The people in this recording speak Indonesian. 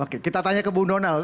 oke kita tanya ke bu donal